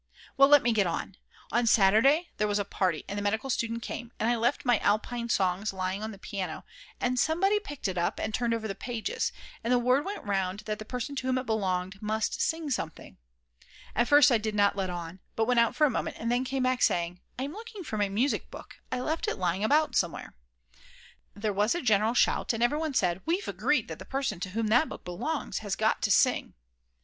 Well, let me get on. On Saturday there was a party, and the medical student came, and I left my Alpine Songs lying on the piano, and somebody picked it up and turned over the pages, and the word went round that the person to whom it belonged must sing something. At first I did not let on, but went out for a moment, and then came back saying: "I'm looking for my music book, I left it lying about somewhere." There was a general shout, and everyone said: "We've agreed that the person to whom that book belongs has got to sing."